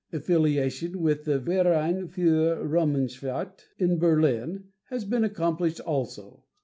Affiliation with the "Verein für Raumschiffarht" in Berlin has been accomplished also.